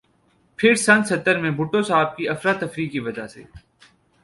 پھر سن ستر میں بھٹو صاھب کی افراتفریح کی وجہ سے